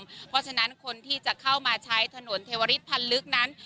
เพราะฉะนั้นคนที่จะเข้ามาใช้ถนนเทวริสพันธ์ลึกนั้น